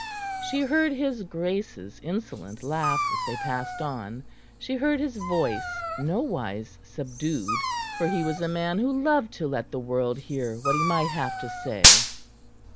She heard his grace's insolent laugh as they passed on; she heard his voice nowise subdued, for he was a man who loved to let the world hear what he might have to say.